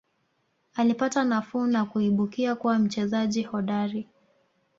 Alipata nafuu na kuibukia kuwa mchezaji hodari